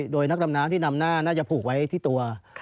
โดยนักดำน้ำที่นำหน้าน่าจะผูกไว้ที่ตัว